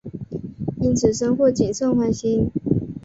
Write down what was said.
因此深获景胜欢心。